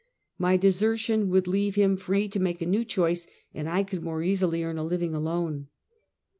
My de sertion would leave him free to make a new choice, and I could more easily earn a living alone.